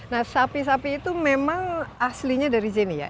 nah sapi sapi itu memang aslinya dari sini ya